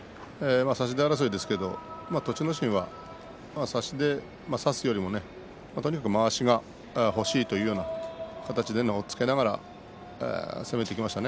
差し手争いですが栃ノ心は差すよりもとにかくまわしが欲しいという形で押っつけながらの攻めでした。